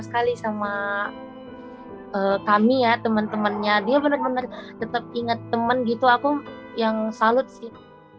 sekali sama kami ya teman temannya dia bener bener tetap inget temen gitu aku yang salut sih